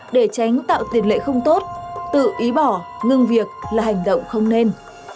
để tránh tạo tiền lệ không tốt tự ý bỏ ngưng việc là hành động không nên